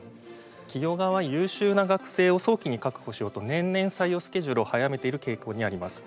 企業側は優秀な学生を早期に確保しようと年々採用スケジュールを早めている傾向にあります。